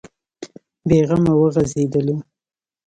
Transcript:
بې غمه وغځېدلو.